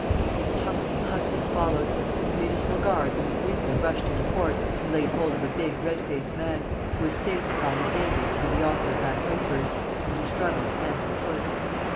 A tumult and hustling followed. The municipal guards and the policemen rushed into court and laid hold of a big, red faced man, who was stated by his neighbours to be the author of that outburst and who struggled hand and foot.